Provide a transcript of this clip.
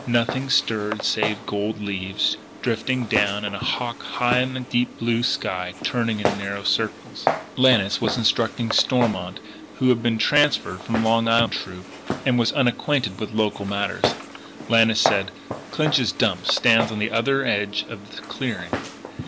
Nothing stirred save gold leaves drifting down, and a hawk high in the deep blue sky turning in narrow circles. Lannis was instructing Stormont, who had been transferred from the Long Island Troop, and who was unacquainted with local matters. Lannis said: "Clinch's dump stands on the other edge of the clearing.